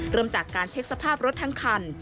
เริ่มจากการเช็คสภาพรถทั้งคัน